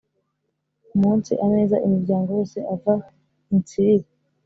Umunsi ameza imiryango yose ava i Nsiriri